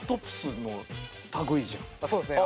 そうですね。